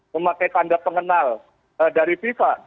memakai tanda pengenal dari fifa